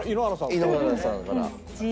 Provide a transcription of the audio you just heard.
井ノ原さんから。